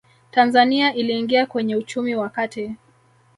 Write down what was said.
tanzania iliingia kwenye uchumi wa kati